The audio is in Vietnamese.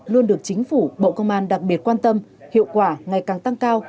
luôn được chính phủ bộ công an đặc biệt quan tâm hiệu quả ngày càng tăng cao